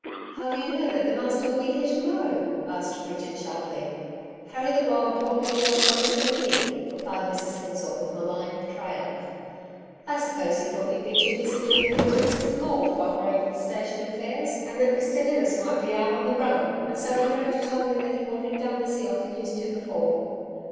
'How do you know that the master will be here to morrow?' asked Bridget sharply. 'Harry the Blower brought me a letter from Mr McKeith,' replied Mrs Hensor with malign triumph. 'I suppose he thought you'd be too busy doing things with Mr Maule to bother over the station affairs, and that Mr Ninnis might be out on the run and so he wrote to tell me what he wanted done as he often used to before.'